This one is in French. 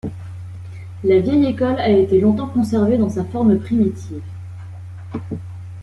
La vieille école a été longtemps conservée dans sa forme primitive.